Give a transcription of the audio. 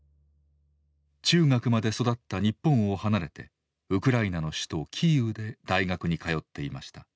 中学まで育った日本を離れてウクライナの首都キーウで大学に通っていました。